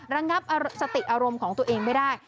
ระงับสติอารมณ์ของตัวเองไม่ได้